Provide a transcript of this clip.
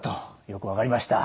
よく分かりました。